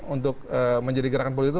untuk menjadi gerakan politik